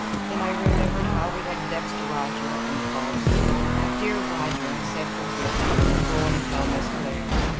Then I remembered how we had vexed Roger, and called him. "Dear Roger," I said, "forgive me, and go and tell Miss Clare."